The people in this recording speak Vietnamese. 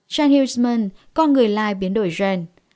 chanh hieu chman con người lai biến đổi gen